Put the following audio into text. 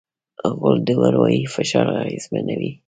غول د اروایي فشار اغېزمنوي.